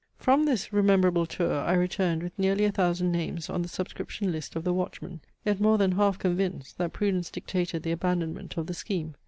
From this rememberable tour I returned with nearly a thousand names on the subscription list of THE WATCHMAN; yet more than half convinced, that prudence dictated the abandonment of the scheme.